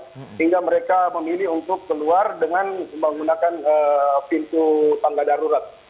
sehingga mereka memilih untuk keluar dengan menggunakan pintu tangga darurat